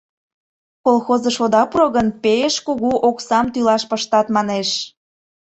Колхозыш ода пуро гын, пеш кугу оксам тӱлаш пыштат, манеш.